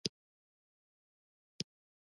ځغاسته د فزیکي طاقت نښه ده